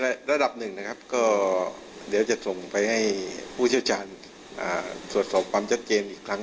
เห็นในระดับหนึ่งเดี๋ยวจะส่งไปให้ผู้เจ้าชาญสวดสอบความจัดเจนอีกครั้ง